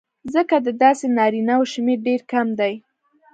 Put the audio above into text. ځکه د داسې نارینهوو شمېر ډېر کم دی